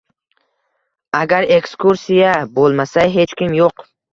Agar ekskursiya bo‘lmasa, hech kim yo‘q.